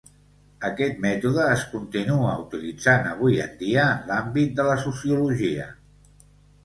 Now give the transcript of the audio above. Aquest mètode es continua utilitzant avui en dia en l’àmbit de la sociologia.